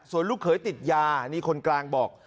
ส่วนลูกเขยติดยานี่คนกลางบอก